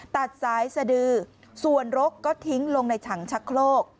ตัดสายสดือส่วนรกก็ทิ้งลงในถังชักโครก